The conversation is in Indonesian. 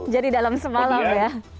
jadi dalam semalam ya